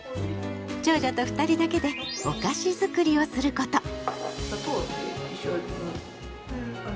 長女と二人だけでお菓子作りをすること。